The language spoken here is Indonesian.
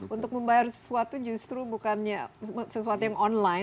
untuk membayar sesuatu justru bukannya sesuatu yang online